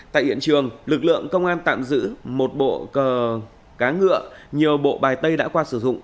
tại hiện trường lực lượng công an tạm giữ một bộ cờ cá ngựa nhiều bộ bài tay đã qua sử dụng